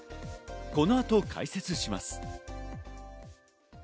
この後、解説します。